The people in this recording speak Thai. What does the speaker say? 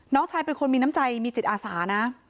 น้องชายเป็นคนมีน้ำใจมีจิตอาสานะ